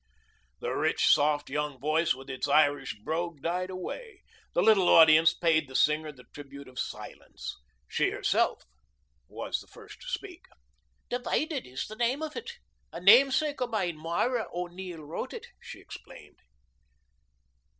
The rich, soft, young voice with its Irish brogue died away. The little audience paid the singer the tribute of silence. She herself was the first to speak. "'Divided' is the name of it. A namesake of mine, Moira O'Neill, wrote it," she explained.